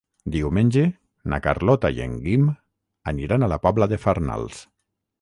Diumenge na Carlota i en Guim aniran a la Pobla de Farnals.